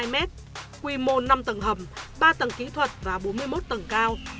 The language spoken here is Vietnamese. sáu sáu trăm bảy mươi hai m quy mô năm tầng hầm ba tầng kỹ thuật và bốn mươi một tầng cao